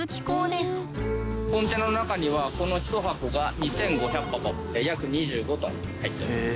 コンテナの中にはこの１箱が２，５００箱約２５ｔ入っております。